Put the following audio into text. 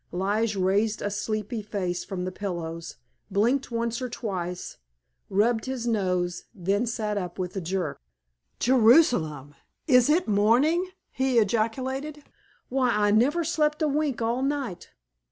Lige raised a sleepy face from the pillows, blinked once or twice, rubbed his nose, then sat up with a jerk. "Jerusalem, is it morning?" he ejaculated. "Why, I never slept a wink all night.